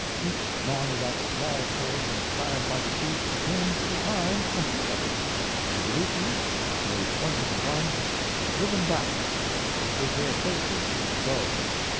Each man of that small force, inspired by the chief, became for the time a hero. The Beloochees, though twenty to one, were driven back, but with their faces to the foe.